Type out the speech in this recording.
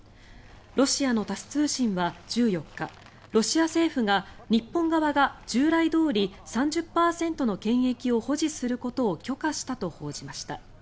ロシアのタス通信は１４日ロシア政府が日本側が従来どおり３０％の権益を保持することを許可したと報じました。